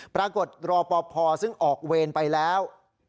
ปรากฏรอปภซึ่งออกเวรไปแล้ว